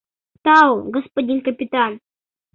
— Тау, господин капитан.